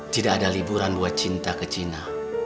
tidak ada liburan buat cinta ke china